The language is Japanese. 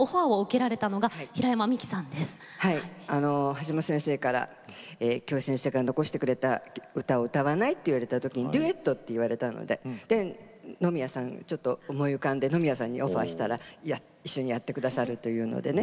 橋本先生から京平先生が残してくれた歌を歌わない？って言われた時にデュエットって言われたので野宮さんちょっと思い浮かんで野宮さんにオファーしたら一緒にやって下さるというのでね。